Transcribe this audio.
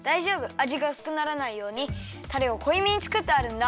あじがうすくならないようにタレをこいめにつくってあるんだ。